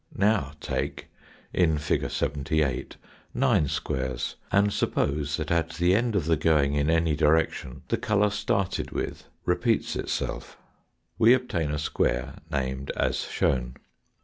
Now take, in Fig. 78, nine squares, and suppose that at the end of the going in any direction the Fig. 78. colour started with repeats itself. We obtain a square named as shown.